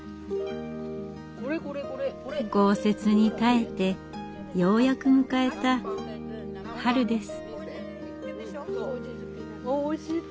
豪雪に耐えてようやく迎えた春です。